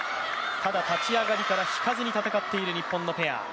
ただ、立ち上がりから引かずに戦っている日本のペア。